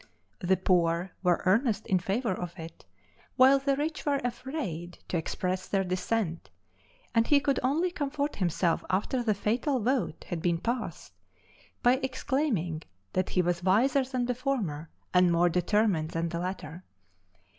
The poor were earnest in favor of it, while the rich were afraid to express their dissent; and he could only comfort himself after the fatal vote had been passed, by exclaiming that he was wiser than the former and more determined than the latter.